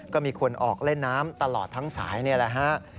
ก็มีคนออกเล่นน้ำตลอดทั้งสายนี่แหละฮะ